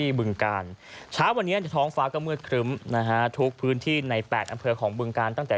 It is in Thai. บึงกาลเช้าวันนี้ท้องฟ้าก็มืดครึ้มนะฮะทุกพื้นที่ใน๘อำเภอของบึงการตั้งแต่